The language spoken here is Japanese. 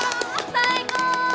最高！